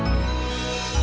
biar yang sempurna